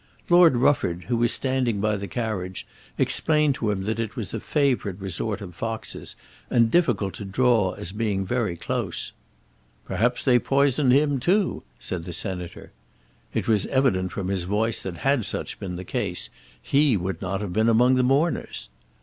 Lord Rufford, who was standing by the carriage, explained to him that it was a favourite resort of foxes, and difficult to draw as being very close. "Perhaps they've poisoned him too," said the Senator. It was evident from his voice that had such been the case, he would not have been among the mourners.